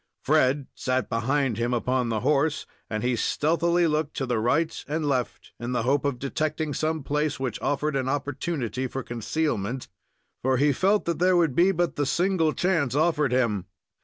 Fred sat behind him upon the horse, and he stealthily looked to the right and left, in the hope of detecting some place which offered an opportunity for concealment, for he felt that there would be but the single chance offered him.